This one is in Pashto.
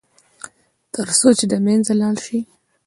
تر څو چې د منځه لاړ شي.